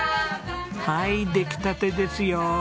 はい出来たてですよ。